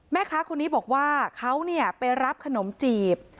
แม่ค้าคนนี้บอกว่าเขาไปรับขนมจีบ